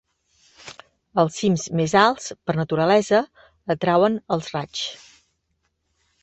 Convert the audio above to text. Els cims més alts, per naturalesa, atrauen els raigs.